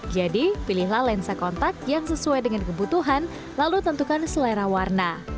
jadi pilihlah lensa kontak yang sesuai dengan kebutuhan lalu tentukan selera warna